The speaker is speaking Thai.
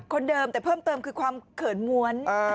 คนเดิมแต่เพิ่มเติมคือความเขินม้วน